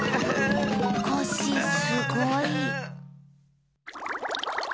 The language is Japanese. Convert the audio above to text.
コッシーすごい。